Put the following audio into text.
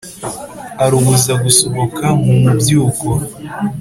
arubuza gusohoka mu mubyuko